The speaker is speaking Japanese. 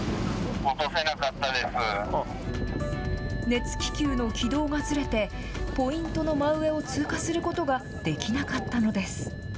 熱気球の軌道がずれて、ポイントの真上を通過することができなかったのです。